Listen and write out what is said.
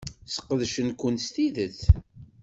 Sqedcen-ken s tidet.